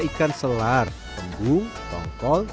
ikan selar tembung tongkol